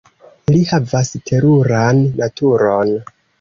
Li havas teruran naturon.